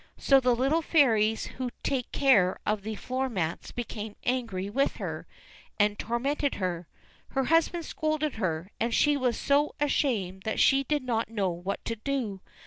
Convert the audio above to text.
So the little fairies who take care of the floor mats became angry with her, and tormented her. Her husband scolded her, and she was so ashamed that she did not know what to do.